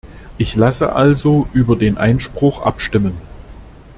Ich lasse also über den Einspruch abstimmen.